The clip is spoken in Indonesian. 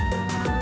gak gak gak